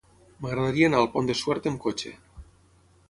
M'agradaria anar al Pont de Suert amb cotxe.